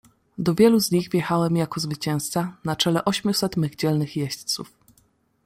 "Do wielu z nich wjechałem jako zwycięzca na czele ośmiuset mych dzielnych jeźdźców."